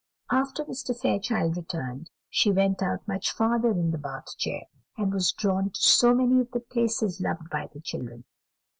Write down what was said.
After Mr. Fairchild returned, she went out much farther in the Bath chair, and was drawn to many of the places loved by the children.